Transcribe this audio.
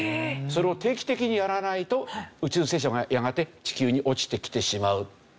それを定期的にやらないと宇宙ステーションがやがて地球に落ちてきてしまう。